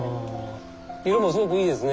色もすごくいいですね